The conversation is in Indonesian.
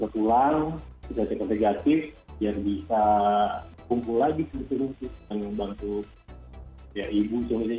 biar bisa kumpul lagi terus terusan untuk membantu ibu suami ibu